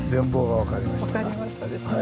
分かりましたでしょうか。